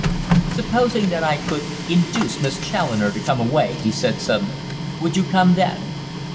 "Supposing that I could induce Miss Challoner to come away," he said suddenly, "would you come then?"